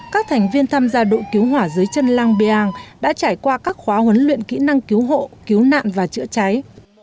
các thành viên tham gia đội cứu hỏa dưới chân lang biang đã trải qua các khóa huấn luyện kỹ năng cứu hộ cứu nạn và chữa cháy